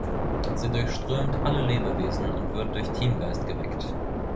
Sie durchströmt alle Lebewesen und wird durch Teamgeist geweckt.